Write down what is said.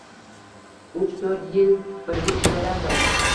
Uch-toʻrt yil birga ishlagandim.